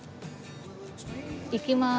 いきまーす。